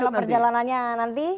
tapi dalam perjalanannya nanti